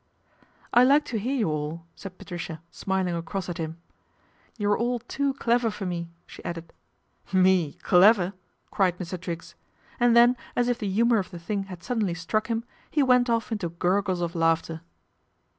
' I like to hear you all," said Patricia, smiling icross at him. " You're all too clever for me," she idded. ' Me clever !" cried Mr. Triggs, and then as if he humour of the thing had suddenly struck him ic went off into gurgles of laughter.